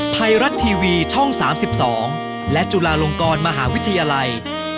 ไทยรัฐทีวีช่อง๓๒และจุฬาลงกรมหาวิทยาลัย